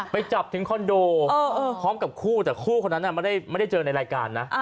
ไปจับถึงคอนโดพร้อมกับคู่แต่คู่คนนั้นไม่ได้เจอในรายการนะ